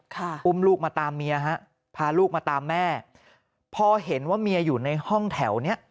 อุ้มลูกมาตามเมียฮะพาลูกมาตามแม่พอเห็นว่าเมียอยู่ในห้องแถวเนี้ย